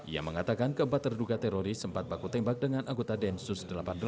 ia mengatakan keempat terduga teroris sempat baku tembak dengan anggota densus delapan puluh delapan